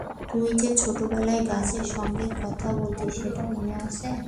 তুই যে ছোটবেলায় গাছের সঙ্গে কথা বলতি, সেটা মনে আছে?